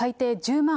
１０万